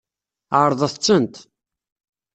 Ɛeṛḍet-tent.